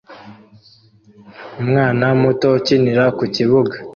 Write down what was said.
Umwana muto ukinira ku kibuga